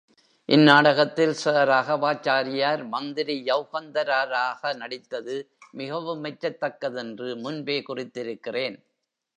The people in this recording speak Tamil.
இந்நாடகத்தில், ச. ராகவாச் சாரியார், மந்திரி யௌகந்தரராக நடித்தது மிகவும் மெச்சத் தக்கதென்று முன்பே குறித்திருக்கிறேன்.